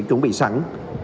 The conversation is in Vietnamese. chuẩn bị sẵn